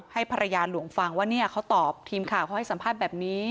ให้ภรรยาหลวงฟังว่าเนี่ยเขาตอบทีมข่าวเขาให้สัมภาษณ์แบบนี้